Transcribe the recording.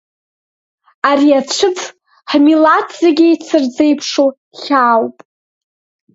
Ари ацәыӡ ҳмилаҭ зегь еицырзеиԥшу хьаауп.